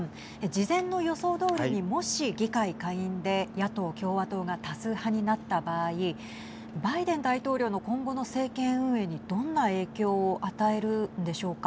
事前の予想どおりに、もし議会下院で野党・共和党が多数派になった場合バイデン大統領の今後の政権運営にどんな影響を与えるんでしょうか。